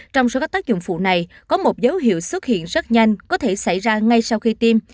trong số các tác dụng phụ này có một dấu hiệu xuất hiện rất nhanh có thể xảy ra ngay sau khi tiêm